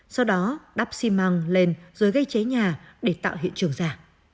sau đó đắp xi măng lên rồi gây cháy nhà để tạo hiện trường giả